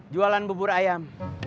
jualan bubur ayam